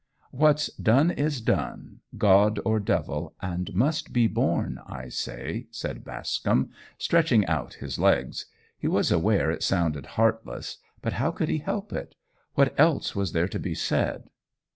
"What's done is done, God or devil, and must be borne, I say," said Bascombe, stretching out his legs. He was aware it sounded heartless, but how could he help it? What else was there to be said?